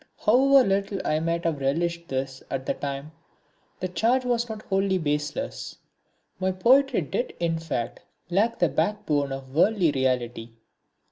However little I might have relished this at the time, the charge was not wholly baseless. My poetry did in fact lack the backbone of worldly reality.